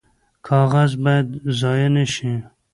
کاغذ باید ضایع نشي